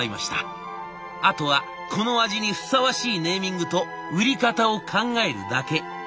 あとはこの味にふさわしいネーミングと売り方を考えるだけ。